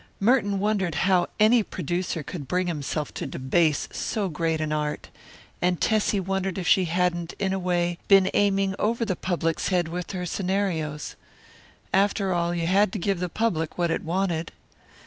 Merton wondered how any producer could bring himself to debase so great an art, and Tessie wondered if she hadn't, in a way, been aiming over the public's head with her scenarios. After all, you had to give the public what it wanted.